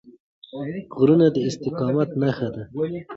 غرونه د استقامت نښه ده.